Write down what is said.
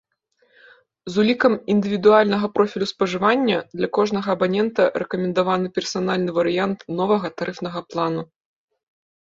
З улікам індывідуальнага профілю спажывання для кожнага абанента рэкамендаваны персанальны варыянт новага тарыфнага плану.